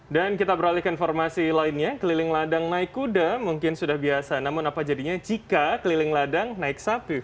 dan kita beralihkan informasi lainnya keliling ladang naik kuda mungkin sudah biasa namun apa jadinya jika keliling ladang naik sapi